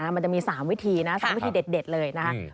มันจะมี๓วิธีนะ๓วิธีเด็ดเลยนะคะ